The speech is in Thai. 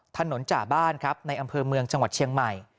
จ่าบ้านครับในอำเภอเมืองจังหวัดเชียงใหม่